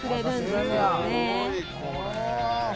すごい、これ。